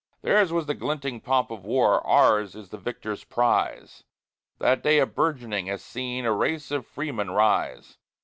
Theirs was the glinting pomp of war; ours is the victor's prize: That day of bourgeoning has seen a race of freemen rise.